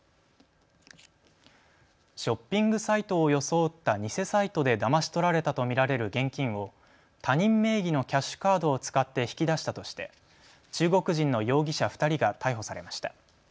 ショッピングサイトを装った偽サイトでだまし取られたと見られる現金を他人名義のキャッシュカードを使って引き出したとして中国人の容疑者２人が逮捕されました。